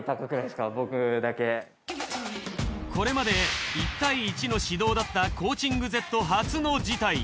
これまで１対１の指導だったコーチングＺ初の事態。